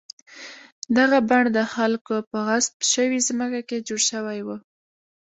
دغه بڼ د خلکو په غصب شوې ځمکه کې جوړ شوی و.